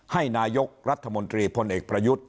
ให้นายกรัฐมนตรีพลเอกประยุทธ์